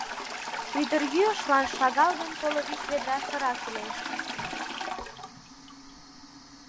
Ӱдырйӱышлан шагал гын коло вич ведра сыра кӱлеш.